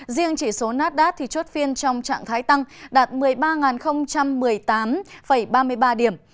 riêng chỉ số naddad chốt phiên trong trạng thái tăng đạt một mươi ba một mươi tám ba mươi ba điểm